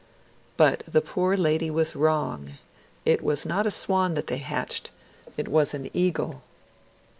But the poor lady was wrong; it was not a swan that they had hatched, it was an eagle.